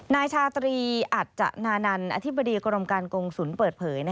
นายชาตรีอัจจนานันต์อธิบดีกรมการกงศูนย์เปิดเผย